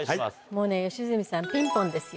もうね良純さんピンポンですよ。